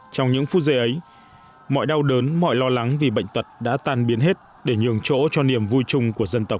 trong những phút giây ấy mọi đau đớn mọi lo lắng vì bệnh tật đã tan biến hết để nhường chỗ cho niềm vui chung của dân tộc